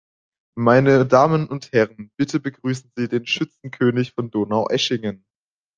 Meine Damen und Herren, bitte begrüßen Sie den Schützenkönig von Donaueschingen!